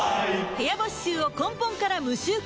部屋干し臭を根本から無臭化